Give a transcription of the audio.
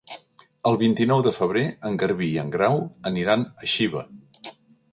El vint-i-nou de febrer en Garbí i en Grau aniran a Xiva.